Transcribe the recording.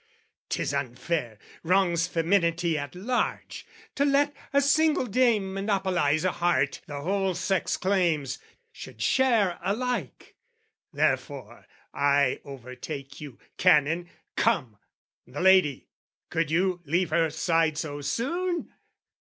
"'Tis unfair, wrongs feminity at large, "To let a single dame monopolize "A heart the whole sex claims, should share alike: "Therefore I overtake you, Canon! Come! "The lady, could you leave her side so soon?